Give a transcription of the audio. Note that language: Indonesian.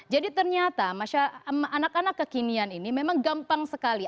jadi ternyata anak anak kekinian ini memang gampang sekali